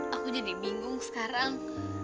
aku jadi bingung sekarang